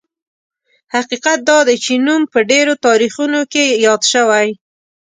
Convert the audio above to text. حقیقت دا دی چې نوم په ډېرو تاریخونو کې یاد شوی.